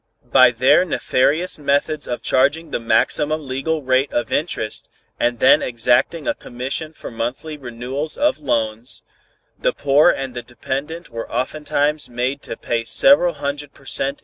By their nefarious methods of charging the maximum legal rate of interest and then exacting a commission for monthly renewals of loans, the poor and the dependent were oftentimes made to pay several hundred per cent.